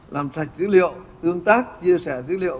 làm sạch dữ liệu tương tác chia sẻ dữ liệu